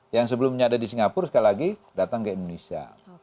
yang sebelumnya ada di singapura sekali lagi datang ke indonesia